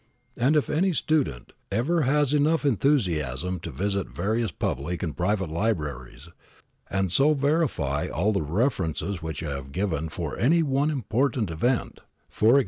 And if any student ever has enough enthusiasm to visit various public and private libraries, and so verify all the references which I have given for any one important event — e.g.